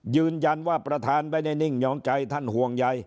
ยืนยันว่าประธานไม่ได้นิ่งยอมใจท่านห่วงใย